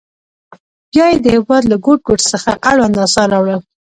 بیا یې د هېواد له ګوټ ګوټ څخه اړوند اثار راوړل.